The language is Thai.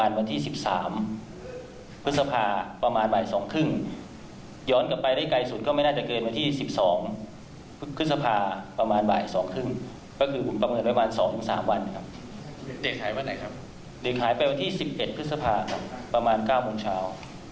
เด็กหายไปวันที่๑๑พศพปประมาณ๙โมงเช้า